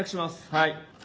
はい。